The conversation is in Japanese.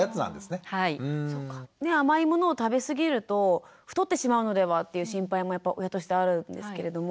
甘いものを食べすぎると太ってしまうのではという心配も親としてはあるんですけれども。